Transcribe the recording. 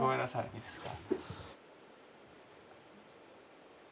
いいですか。